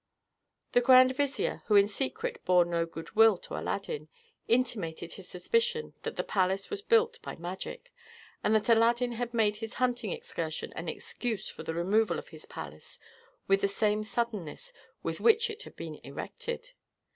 The grand vizier, who in secret bore no goodwill to Aladdin, intimated his suspicion that the palace was built by magic, and that Aladdin had made his hunting excursion an excuse for the removal of his palace with the same suddenness with which it had been erected.